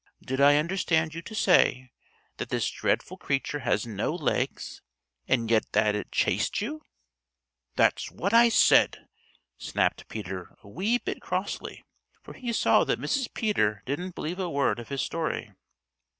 Did I understand you to say that this dreadful creature has no legs, and yet that it chased you?" "That's what I said!" snapped Peter a wee bit crossly, for he saw that Mrs. Peter didn't believe a word of his story.